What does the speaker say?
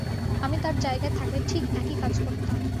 আমি তার জায়গায় থাকলে, ঠিক একই কাজ করতাম।